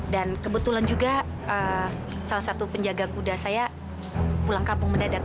kebetulan juga salah satu penjaga kuda saya pulang kampung mendadak